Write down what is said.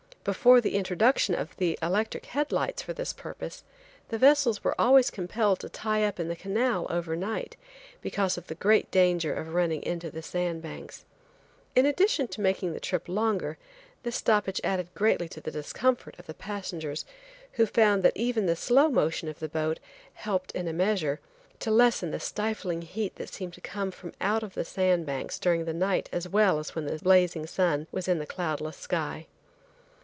Before the introduction of electric head lights for this purpose, the vessels were always compelled to tie up in the canal over night, because of the great danger of running into the sand banks. In addition to making the trip longer, this stoppage added greatly to the discomfort of the passengers, who found that even the slow motion of the boat, helped, in a measure, to lessen the stifling heat that seemed to come from out the sand banks during the night as well as when the blazing sun was in the cloudless sky.